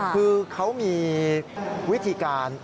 คือเขามีวิธีการ